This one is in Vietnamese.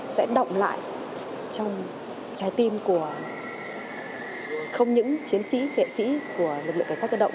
sẽ động lại trong trái tim của không những chiến sĩ nghệ sĩ của lực lượng cảnh sát cơ động